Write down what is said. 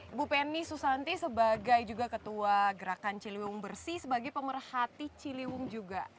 ibu penny susanti sebagai juga ketua gerakan ciliwung bersih sebagai pemerhati ciliwung juga